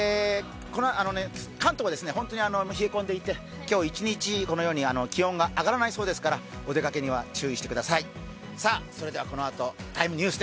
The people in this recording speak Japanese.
関東は本当に冷え込んでいて今日一日気温が上がらないそうですからお出かけには注意してください。